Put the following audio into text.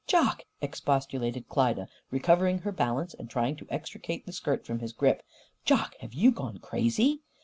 "Jock!" expostulated Klyda, recovering her balance and trying to extricate the skirt from his grip. "Jock, have you gone crazy?"